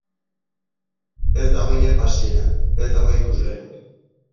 Ez dago inor pasieran, ez dago ikuslerik.